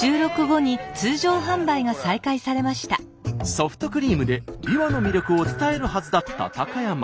ソフトクリームでびわの魅力を伝えるはずだった高山。